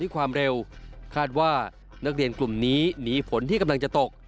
ความเร็วคาดว่านักเรียนกลุ่มนี้หนีฝนที่กำลังจะตก